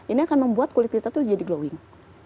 ini akan membuat kulit kita tuh jadi glowing